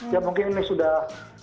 ya mungkin ini sudah